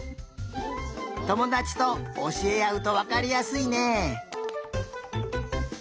ともだちとおしえあうとわかりやすいね。